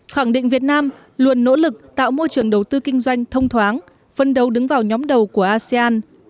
khẳng định việt nam luôn nỗ lực tạo môi trường đầu tư kinh doanh thông thoáng phân đấu đứng vào nhóm đầu của asean